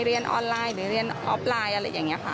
เรียนออนไลน์หรือเรียนออฟไลน์อะไรอย่างนี้ค่ะ